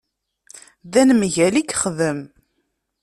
D anemgal i yexdem.